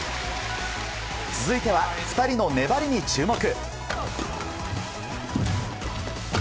続いては、２人の粘りに注目。